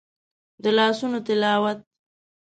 د لاسونو تلاوت